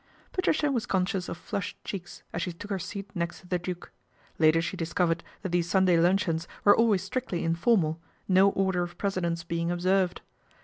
Patricia was conscious of flushed cheeks as s took her seat next to the Duke. Later she d covered that these Sunday luncheons were alwa strictly informal, no order of precedence bei observed.